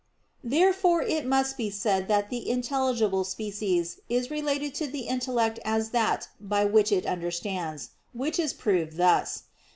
Therefore it must be said that the intelligible species is related to the intellect as that by which it understands: which is proved thus.